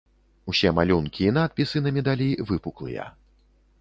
Усе малюнкі і надпісы на медалі выпуклыя.